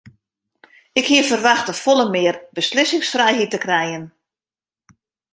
Ik hie ferwachte folle mear beslissingsfrijheid te krijen.